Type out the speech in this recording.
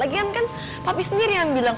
lagian kan tapi sendiri yang bilang